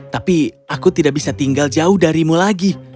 tapi aku tidak bisa tinggal jauh darimu lagi